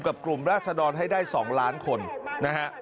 กลุ่มราศดรให้ได้๒ล้านคนนะฮะ